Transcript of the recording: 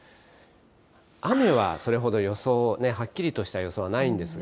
雨はそれほど予想、はっきりとした予想はないんですが。